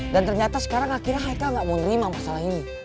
dan ternyata sekarang akhirnya haikal gak mau nerima masalah ini